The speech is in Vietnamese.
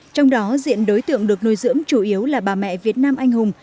trong đó diện đối tượng được nuôi dưỡng chủ yếu là bà mẹ việt nam anh hùng